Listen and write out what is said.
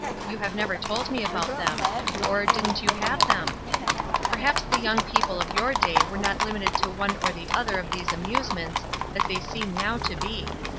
You have never told me about them. Or, didn't you have them ? Perhaps the young people of yoin day were not limited to one or the other of these amusements, as they seem now to be.